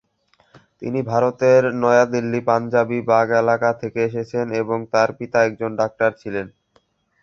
তিনি ভারতের নয়া দিল্লির পাঞ্জাবি বাগ এলাকা থেকে এসেছেন এবং তার পিতা একজন ডাক্তার ছিলেন।